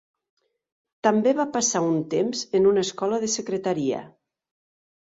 També va passar un temps en una escola de secretaria.